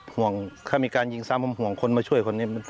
ห่วงถ้ามีการยิงซ้ำผมห่วงคนมาช่วยคนนี้